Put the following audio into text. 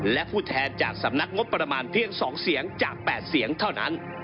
และผู้แทนจากสำนักงบประมาณเพียง๒เสียงจาก๘เสียงเท่านั้น